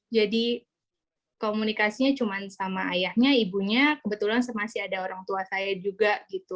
komunikasinya cuma sama ayahnya ibunya kebetulan masih ada orang tua saya juga gitu